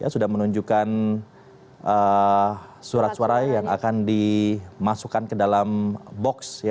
sudah menunjukkan surat suara yang akan dimasukkan ke dalam box